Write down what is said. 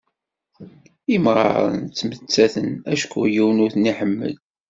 Imɣaren ttmettaten acku yiwen ur ten-iḥemmel..